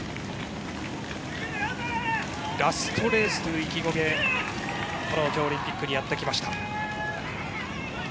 ラストレースという意気込みでこの東京オリンピックにやってきました。